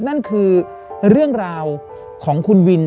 นั่นคือเรื่องราวของคุณวิน